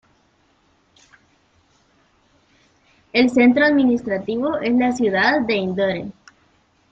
El centro administrativo es la ciudad de Indore.